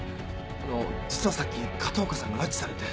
あの実はさっき片岡さんが拉致されて。